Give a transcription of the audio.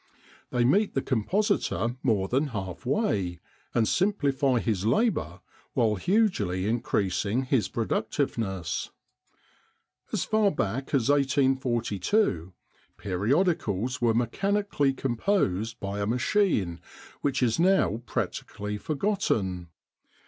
They meet the compositor more than half way, and simplify his labour while hugely increasing his productiveness. As far back as 1842 periodicals were mechanically composed by a machine which is now practically forgotten.